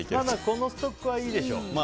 このストックはいいでしょう。